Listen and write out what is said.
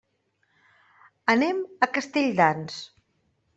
Anem a Castelldans.